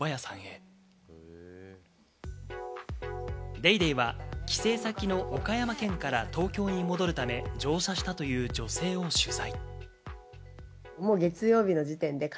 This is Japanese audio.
『ＤａｙＤａｙ．』は帰省先の岡山県から東京に戻るため乗車したという女性を取材。